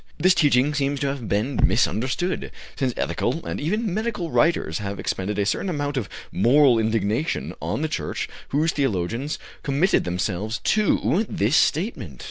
This teaching seems to have been misunderstood, since ethical and even medical writers have expended a certain amount of moral indignation on the Church whose theologians committed themselves to this statement.